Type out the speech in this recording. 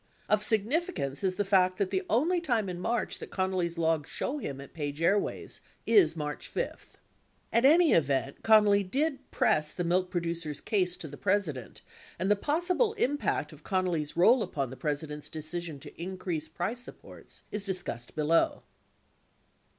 66 Of significance is the fact that the only time in March that Connally's logs show him at Page Airways is March 5. 67 In any event, Connally did press the milk producers' case to the President, and the possible impact of Connally's role upon the Presi dent's decision to increase price supports is discussed below.